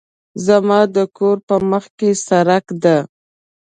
زما د کور په مخکې سړک ده